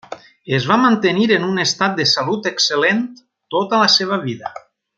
Es va mantenir en un estat de salut excel·lent tota la seva vida.